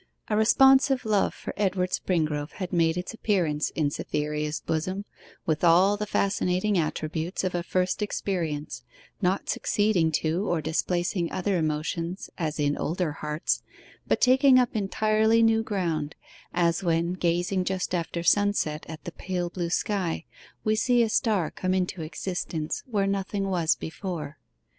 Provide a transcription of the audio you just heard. A responsive love for Edward Springrove had made its appearance in Cytherea's bosom with all the fascinating attributes of a first experience, not succeeding to or displacing other emotions, as in older hearts, but taking up entirely new ground; as when gazing just after sunset at the pale blue sky we see a star come into existence where nothing was before.